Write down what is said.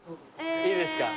いいですか？